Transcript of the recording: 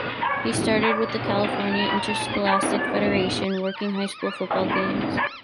He started with the California Interscholastic Federation, working high school football games.